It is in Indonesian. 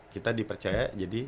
kita dipercaya jadi